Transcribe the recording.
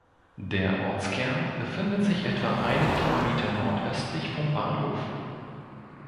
Der Ortskern befindet sich etwa einen Kilometer nordöstlich vom Bahnhof.